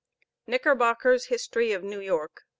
KNICKERBOCKER'S HISTORY OF NEW YORK.